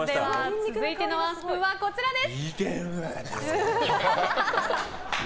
続いてのワンスプーンはこちらです！